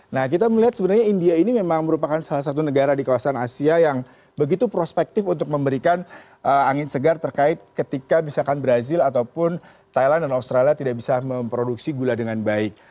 nah kita melihat sebenarnya india ini memang merupakan salah satu negara di kawasan asia yang begitu prospektif untuk memberikan angin segar terkait ketika misalkan brazil ataupun thailand dan australia tidak bisa memproduksi gula dengan baik